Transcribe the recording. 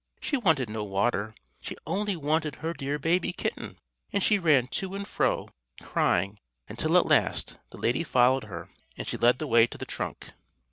She wanted no water, she only wanted her dear baby kitten; and she ran to and fro, crying, until, at last, the lady followed her; and she led the way to the trunk.